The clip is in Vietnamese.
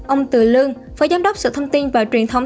ông từ lương phó giám đốc sở thông tin và truyền thông